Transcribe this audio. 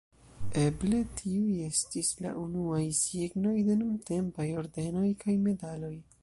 Eble tiuj estis la unuaj signoj de nuntempaj ordenoj kaj medaloj.